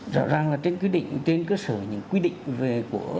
rõ ràng là trên quy định trên cơ sở những quy định của